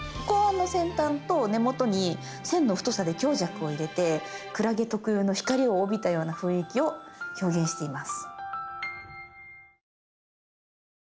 先端と根元に線の太さで強弱を入れてクラゲ特有の光を帯びたような雰囲気を表現しています。